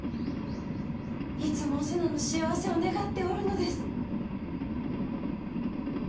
いつもお瀬名の幸せを願っておるのです。